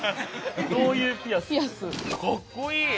かっこいい！